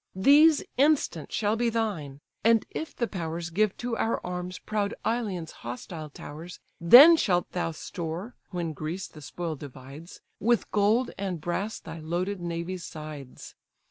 These instant shall be thine; and if the powers Give to our arms proud Ilion's hostile towers, Then shalt thou store (when Greece the spoil divides) With gold and brass thy loaded navy's sides.